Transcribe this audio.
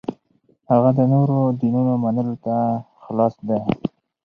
هغه د نورو دینونو منلو ته خلاص دی.